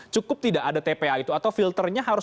cukup tidak ada tpa itu atau filternya harus